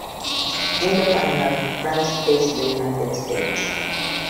In the final, France faced the United States.